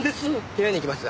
部屋に行きます。